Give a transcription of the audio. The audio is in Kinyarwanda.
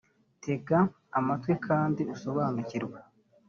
tega amatwi kandi usobanukirwe